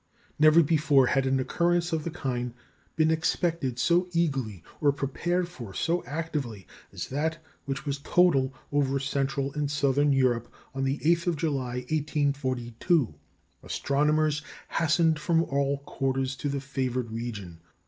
Never before had an occurrence of the kind been expected so eagerly or prepared for so actively as that which was total over Central and Southern Europe on the 8th of July, 1842. Astronomers hastened from all quarters to the favoured region.